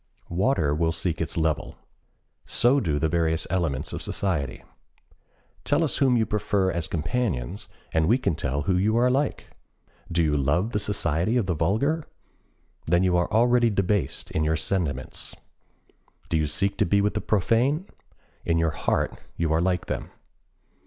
Water will seek its level. So do the various elements of society. Tell us whom you prefer as companions and we can tell who you are like. Do you love the society of the vulgar? Then you are already debased in your sentiments. Do you seek to be with the profane? In your heart you are like them.